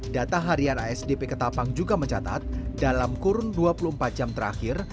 data harian asdp ketapang juga mencatat dalam kurun dua puluh empat jam terakhir